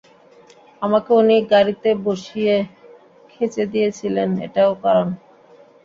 আমাকে উনি গাড়িতে বসিয়ে খেচে দিয়েছিলেন, এটাও কারন।